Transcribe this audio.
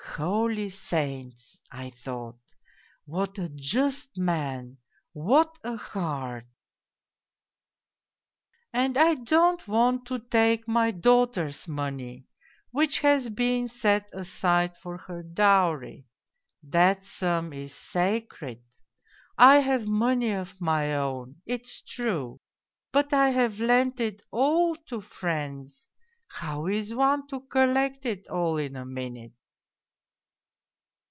' Holy saints !' I thought, ' what a just man 1 What a heart !'"' And I don't want to take my daughter's money, which has been set aside for her dowry : that sum is sacred. I have money of my own, it's true, but I have lent it all to friends how is one to collect it all in a minute